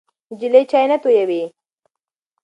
نجلۍ چای نه تویوي.